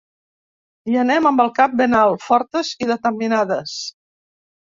Hi anem amb el cap ben alt, fortes i determinades.